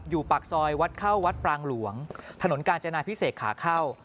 ปากซอยวัดเข้าวัดปรางหลวงถนนกาญจนาพิเศษขาเข้า